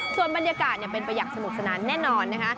ส่วนบรรยากาศเนี่ยเป็นประหยักสนุกสนานแน่นอนนะคะ